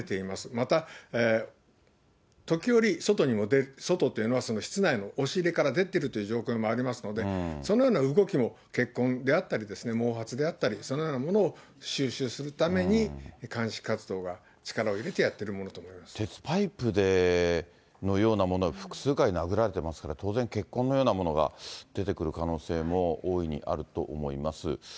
また、時折、外にも、外というのは、室内の押し入れから出てるという状況もありますので、そのような動きも、血痕であったり、毛髪であったり、そのようなものを収集するために、鑑識活動は力を入れてやってるも鉄パイプのようなもので複数回殴られてますから、当然、血痕のようなものが出てくる可能性も大いにあると思います。